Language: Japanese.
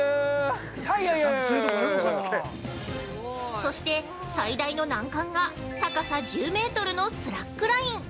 ◆そして、最大の難関が高さ１０メートルのスラックライン。